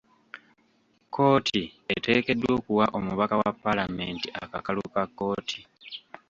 Kkooti eteekeddwa okuwa omubaka wa paalamenti akakalu ka kkooti.